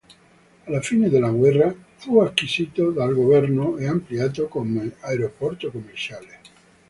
Alla fine della guerra fu acquisito dal governo e ampliato come aeroporto commerciale.